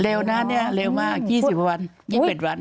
เร็วนะเนี่ยเร็วมาก๒๐กว่าวัน๒๑วัน